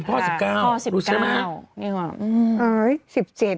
แม่อยู่๑๗ค่ะพ่อ๑๙